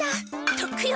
とっくよ！